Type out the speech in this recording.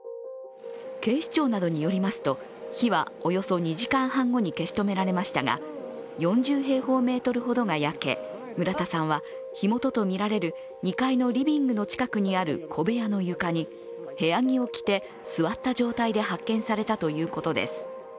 警視庁などによりますと火はおよそ２時間半後に消し止められましたが、４０平方メートルほどが焼け村田さんは、火元とみられる２階のリビングの近くにある小部屋の床に部屋着を着て座った状態で発見されたということです。